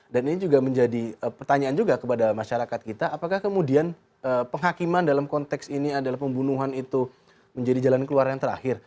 dan ini juga menjadi pertanyaan juga kepada masyarakat kita apakah kemudian penghakiman dalam konteks ini adalah pembunuhan itu menjadi jalan keluar yang terakhir